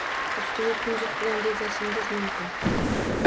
Ustini kunjut bilan bezashingiz mumkin